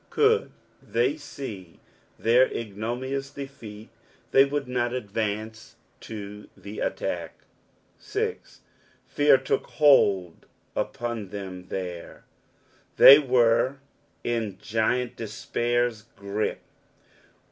Coold they foresee thai igDOmioioiu defeat, they vould not adrance to the attack. 0. " Faar took hold upon them there.''' They were in Giant Despair's grip.